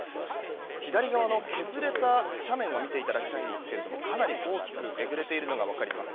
左側の削れた斜面を見ていただきたいんですがかなり大きくえぐれているのが分かります。